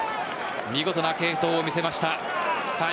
見事な継投を見せました。